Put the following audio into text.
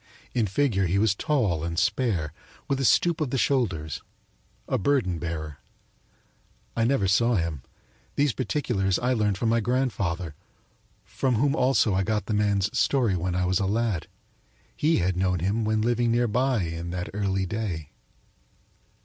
In figure he was tall and spare, with a stoop of the shoulders a burden bearer. I never saw him; these particulars I learned from my grandfather, from whom also I got the man's story when I was a lad. He had known him when living near by in that early day.